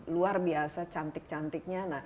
luar biasa cantik cantiknya